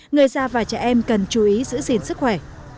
người già và trẻ em cần chú ý giữ gìn sức khỏe